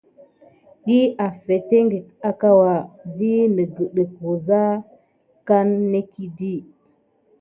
Ɗiy afeteŋgək akawa wi negudick wusa kan nikidi.